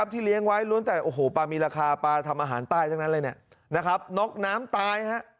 ที่เลี้ยงไว้โอ้โหปลามีราคาปลาทำอาหารใต้นกน้ำตาย